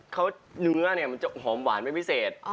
เขาเนื้อเนี่ยมันจะหอมหวานไม่พิเศษ